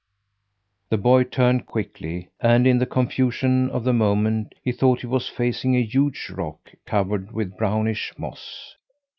The boy turned quickly, and, in the confusion of the moment, he thought he was facing a huge rock, covered with brownish moss.